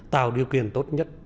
tạo điều kiện tốt nhất